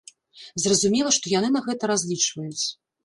Зразумела, што яны на гэта разлічваюць.